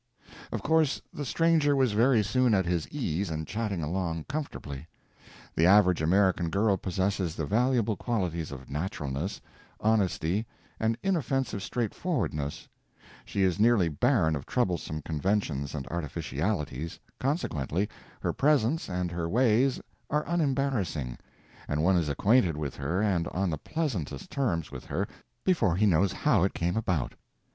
p204.jpg (29K) Of course the stranger was very soon at his ease and chatting along comfortably. The average American girl possesses the valuable qualities of naturalness, honesty, and inoffensive straightforwardness; she is nearly barren of troublesome conventions and artificialities, consequently her presence and her ways are unembarrassing, and one is acquainted with her and on the pleasantest terms with her before he knows how it came about.